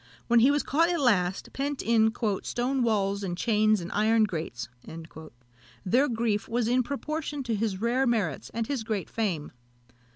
When he was caught at last, pent in "stone walls and chains and iron grates," their grief was in proportion to his rare merits and his great fame.